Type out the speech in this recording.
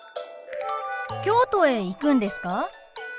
京都へ行くんですか？